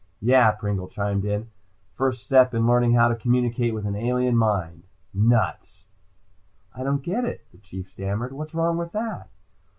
"Yeah," Pringle chimed in. "First step in learning how to communicate with an alien mind. Nuts!" "I don't get it," the Chief stammered. "What's wrong with that?"